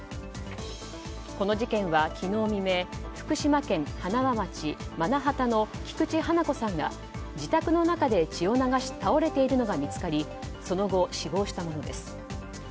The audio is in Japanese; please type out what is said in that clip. この事件は昨日未明福島県塙町真名畑の菊池ハナ子さんが自宅の中で血を流し倒れているのが見つかりその後、死亡したものです。